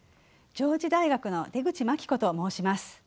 上智大学の出口真紀子と申します。